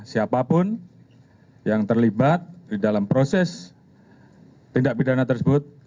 siapapun yang terlibat di dalam proses tindak pidana tersebut